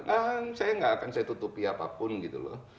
saya tidak akan saya tutupi apapun gitu loh